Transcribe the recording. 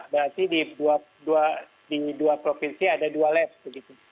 berarti di dua provinsi ada dua lab begitu